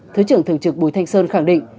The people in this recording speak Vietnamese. thứ trưởng thường trực bùi thanh sơn khẳng định